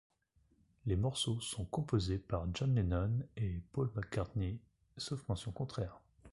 Les morceaux sont composés par John Lennon et Paul McCartney, sauf mention contraire.